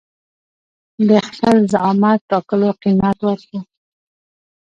د خپل زعامت ټاکلو قيمت ورکړو.